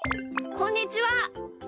こんにちは。